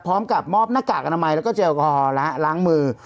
พร้อมกับมอบหน้ากากอนามัยแล้วก็เจลล้างมือ